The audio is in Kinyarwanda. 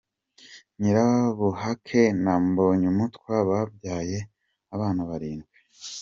Nyirabuhake na Mbonyumutwa babyaye abana barindwi.